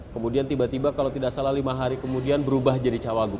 kemudian tiba tiba kalau tidak salah lima hari kemudian berubah jadi cawagup